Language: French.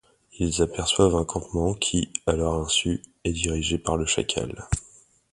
Ils aperçoivent un campement qui, à leur insu, est dirigé par le Chacal.